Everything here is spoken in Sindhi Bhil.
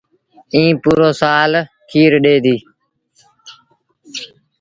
ائيٚݩ پورو سآل کير ڏي ديٚ۔